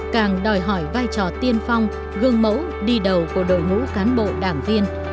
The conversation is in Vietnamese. càng đòi hỏi vai trò tiên phong gương mẫu đi đầu của đội ngũ cán bộ đảng viên